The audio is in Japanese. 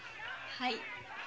はい。